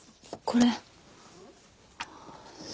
これ。